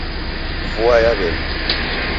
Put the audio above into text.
Vua yaw'enya